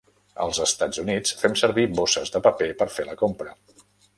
Als Estats Units, fem servir bosses de paper per fer la compra.